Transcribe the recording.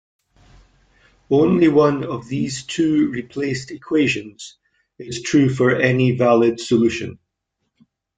Only one of these two replaced equations is true for any valid solution.